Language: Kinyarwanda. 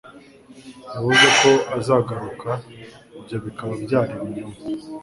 Yavuze ko azagaruka, ibyo bikaba byari ibinyoma.